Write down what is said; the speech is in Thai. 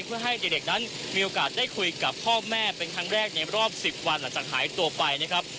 เพื่อให้เด็กนั้นมีโอกาสได้คุยกับพ่อแม่เป็นครั้งแรกในรอบ๑๐วันหลังจากหายตัวไปนะครับ